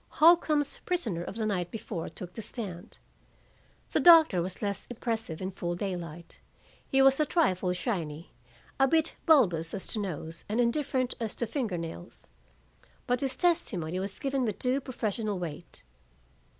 Holcombe's prisoner of the night before took the stand. The doctor was less impressive in full daylight; he was a trifle shiny, a bit bulbous as to nose and indifferent as to finger nails. But his testimony was given with due professional weight.